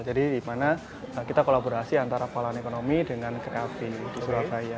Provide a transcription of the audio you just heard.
jadi dimana kita kolaborasi antara pahlawan ekonomi dengan creafy di surabaya